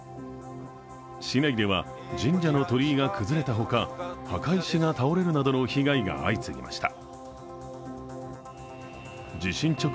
市内では神社の鳥居が崩れたほか墓石が倒れるなどの被害が相次ぎました。